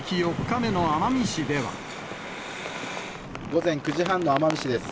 午前９時半の奄美市です。